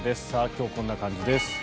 今日はこんな感じです。